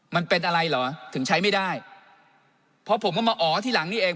มันเป็นอะไรเหรอถึงใช้ไม่ได้เพราะผมก็มาอ๋อที่หลังนี่เอง